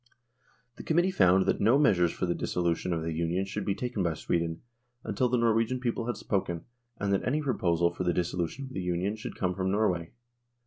The Committee found that no measures for the dissolution THE DISSOLUTION OF THE UNION 139 of the Union should be taken by Sweden, until the Norwegian people had spoken, and that any proposal for the dissolution of the Union should come from Norway.